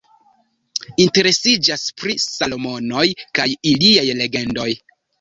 Interesiĝas pri Salomonoj kaj iliaj legendoj.